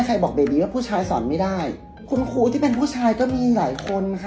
ใครบอกเบบีว่าผู้ชายสอนไม่ได้คุณครูที่เป็นผู้ชายก็มีหลายคนนะคะ